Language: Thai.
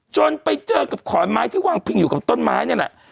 ไปเจอกับขอนไม้ที่วางพิงอยู่กับต้นไม้นี่แหละ